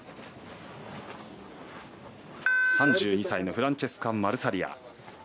３２歳のフランチェスカ・マルサリア。